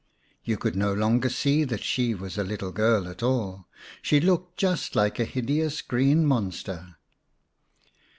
You could no longer see that she was a little girl at all, she looked just like a hideous green monster.